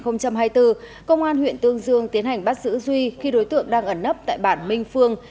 năm hai nghìn hai mươi bốn công an huyện tương dương tiến hành bắt giữ duy khi đối tượng đang ẩn nấp tại bản minh phương